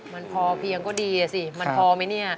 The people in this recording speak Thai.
มันพอเพียงก็ดีอ่ะสิมันพอไหมเนี่ย